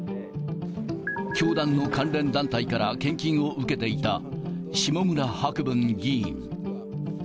教団の関連団体から献金を受けていた、下村博文議員。